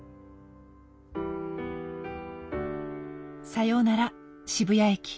さよなら渋谷駅。